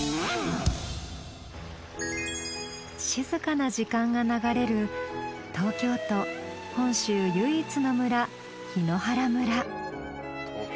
静かな時間が流れる東京都本州唯一の村檜原村。